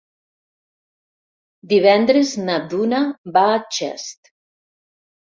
Divendres na Duna va a Xest.